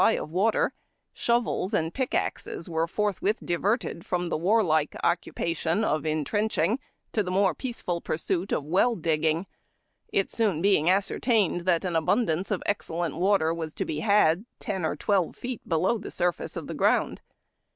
ly of water, shovels and pickaxes were forthwith diverted froin the warlike occupation of intrenching to the more peaceful pursuit of well digging, it soon being ascertained that an abundance of excellent water was to be had ten or twelve feet below the surface of the ground.